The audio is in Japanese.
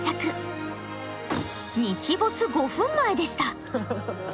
日没５分前でした。